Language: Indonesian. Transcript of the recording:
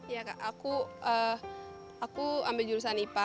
ya kak aku ambil jurusan ipa